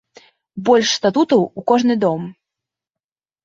Больш статутаў у кожны дом!